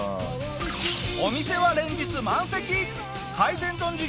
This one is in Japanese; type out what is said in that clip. お店は連日満席。